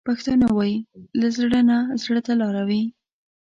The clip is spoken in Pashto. پښتانه وايي: له زړه نه زړه ته لارې وي.